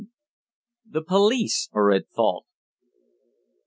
THE POLICE ARE AT FAULT.